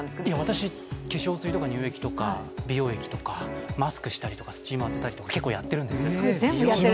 私、化粧水とか乳液とか美容液とかマスクしたりとか、スチーム当てたりとか、結構やっているんですよ。